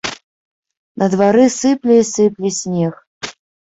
На двары сыпле і сыпле снег.